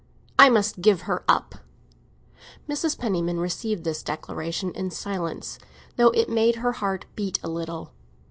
"I must give her up!" Mrs. Penniman received this declaration in silence, though it made her heart beat a little.